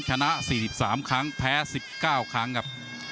ชนะ๔๓ครั้งแพ้๑๙ครั้งครับ